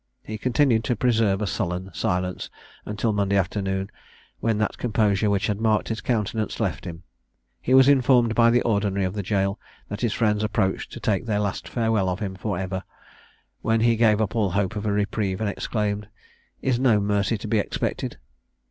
He continued to preserve a sullen silence until Monday afternoon, when that composure which had marked his countenance left him. He was informed by the ordinary of the gaol, that his friends approached to take their last farewell of him for ever, when he gave up all hope of a reprieve, and exclaimed, "Is no mercy to be expected?"